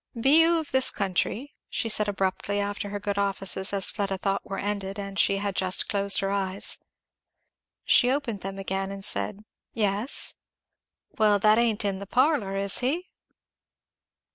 "Be you of this country?" she said abruptly, after her good offices as Fleda thought were ended, and she had just closed her eyes. She opened them again and said "yes." "Well, that ain't in the parlour, is he?"